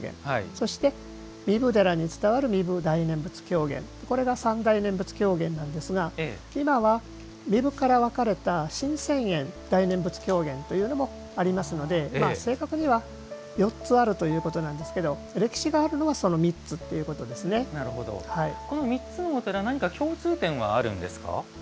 そして壬生寺に伝わる壬生大念仏狂言とこれが三大念仏狂言なんですが今は、壬生から分かれた神泉苑大念仏狂言というのもありますので、正確には４つあるということなんですけど歴史があるのはこの３つのお寺何か共通点はあるんですか。